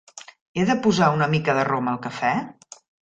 He de posar una mica de rom al cafè?